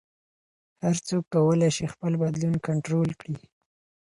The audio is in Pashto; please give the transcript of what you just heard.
هر څوک کولی شي خپل بدلون کنټرول کړي.